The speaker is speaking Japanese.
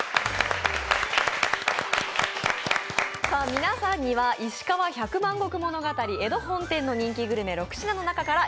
皆さんにはいしかわ百万石物語・江戸本店の人気グルメ６品の中から